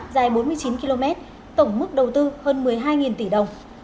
dài bốn mươi chín km tổng mức đầu tư hơn một mươi hai tỷ đồng